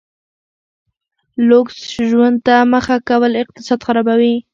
لوکس ژوند ته مخه کول اقتصاد خرابوي.